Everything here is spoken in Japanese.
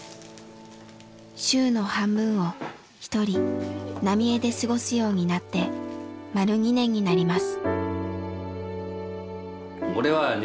週の半分を一人浪江で過ごすようになって丸２年になります。